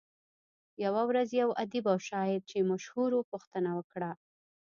يوه ورځ يو ادیب او شاعر چې مشهور وو پوښتنه وکړه.